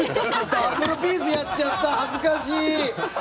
ダブルピースやっちゃった恥ずかしい！